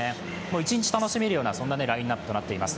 一日楽しめるようなラインナップとなっています。